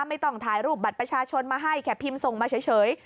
ไม่ต้องถ่ายรูปบัตรประชาชนมาให้แค่พิมพ์ส่งมาเฉย